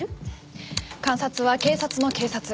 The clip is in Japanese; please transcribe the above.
監察は「警察の警察」。